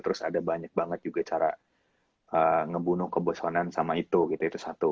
terus ada banyak banget juga cara ngebunuh kebosonan sama itu gitu itu satu